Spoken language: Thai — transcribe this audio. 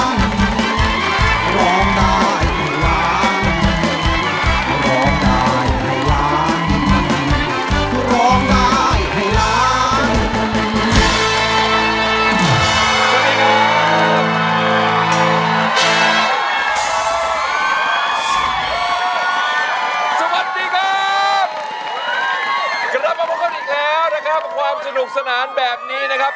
จะรับมาพวกเขาอีกแล้วนะครับความสนุกสนานแบบนี้นะครับ